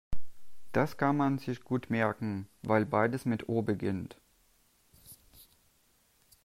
Das kann man sich gut merken, weil beides mit O beginnt.